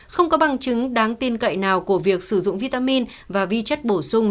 không có bằng chứng đáng tin cậy nào của việc sử dụng vitamin và vi chất bổ sung